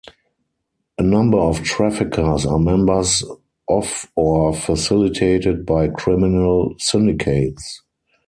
A number of traffickers are members of or facilitated by criminal syndicates.